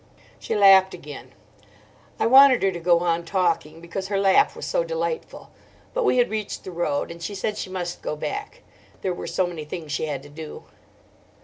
She laughed again. I wanted her to go on talking, because her laugh was so delightful. But we had reached the road, and she said she must go back: there were so many things she had to do.